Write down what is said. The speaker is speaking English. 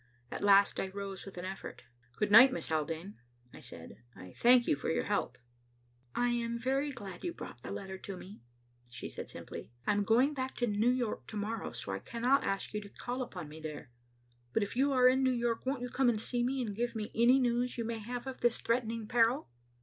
At last I rose with an effort. "Good night, Miss Haldane," I said, "I thank you for your help." "I am very glad you brought the letter to me," she said simply, "I am going back to New York to morrow so I cannot ask you to call upon me here, but if you are in New York won't you come and see me and give me any news you may have of this threatening peril?"